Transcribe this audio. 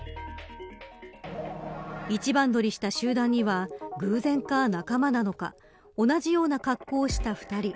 一番乗りした集団には偶然か仲間なのか同じような格好をした２人。